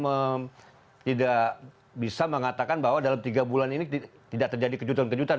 mereka tidak bisa mengatakan bahwa dalam tiga bulan ini tidak terjadi kejutan kejutan